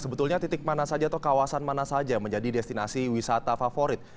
sebetulnya titik mana saja atau kawasan mana saja menjadi destinasi wisata favorit